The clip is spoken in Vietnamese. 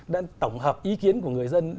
đã tổng hợp ý kiến của người dân